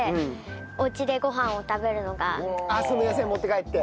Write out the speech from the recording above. その野菜持って帰って。